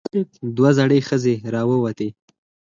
دوه زړې ښځې راووتې.